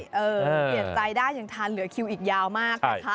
เปลี่ยนใจได้ยังทานเหลือคิวอีกยาวมากนะคะ